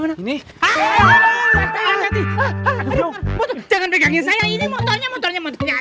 jangan pegangin saya ini motornya motornya